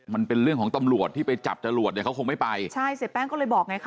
มันเป็นเรื่องของตำรวจที่ไปจับจรวดเนี่ยเขาคงไม่ไปใช่เสียแป้งก็เลยบอกไงค่ะ